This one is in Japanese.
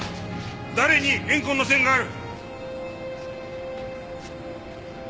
誰に怨恨の線がある？